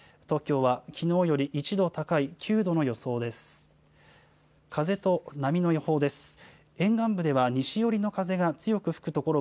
東京はきのうより１度高い９度の予想です。